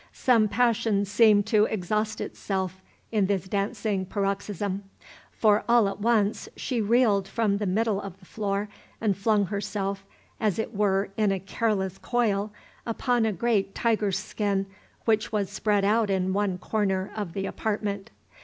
Some passion seemed to exhaust itself in this dancing paroxysm; for all at once she reeled from the middle of the floor, and flung herself, as it were in a careless coil, upon a great tiger's skin which was spread out in one corner of the apartment.